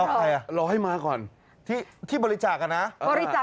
รอใครน่ะรอให้มาก่อนที่บริจาคน่ะนะฮะ